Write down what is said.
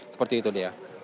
seperti itu dia